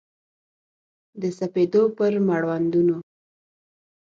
د سپېدو پر مړوندونو